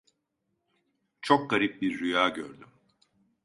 Çok garip bir rüya gördüm.